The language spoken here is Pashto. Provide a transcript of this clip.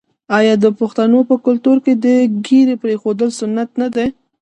آیا د پښتنو په کلتور کې د ږیرې پریښودل سنت نه دي؟